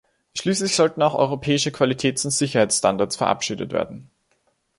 Schließlich sollten auch europäische Qualitäts- und Sicherheitsstandards verabschiedet werden.